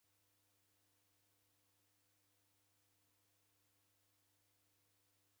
modunga kitini kitini kila mundu upate.